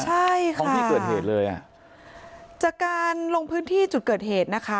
ใช่ค่ะค่ะจากการลงพื้นที่จุดเกิดเหตุ